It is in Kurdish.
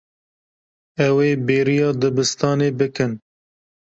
Ew ê bêriya dibistanê bikin.